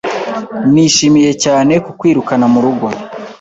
Nishimiye cyane kukwirukana murugo.